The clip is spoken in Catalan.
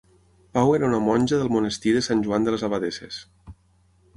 Pau era una monja del monestir de Sant Joan de les Abadesses.